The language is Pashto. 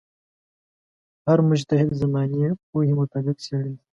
هر مجتهد زمانې پوهې مطابق څېړلې.